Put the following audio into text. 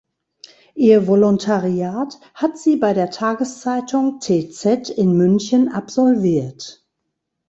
Ihr Volontariat hat sie bei der Tageszeitung tz in München absolviert.